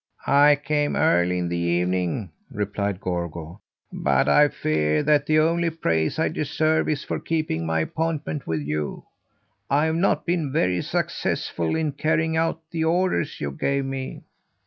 "I came early in the evening," replied Gorgo. "But I fear that the only praise I deserve is for keeping my appointment with you. I've not been very successful in carrying out the orders you gave me."